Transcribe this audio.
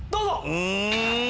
うん。